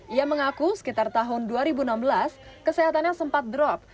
ia mengaku sekitar tahun dua ribu enam belas kesehatannya sempat drop